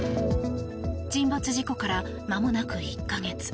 沈没事故からまもなく１か月。